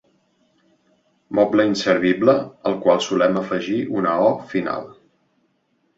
Moble inservible al qual solem afegir una o final.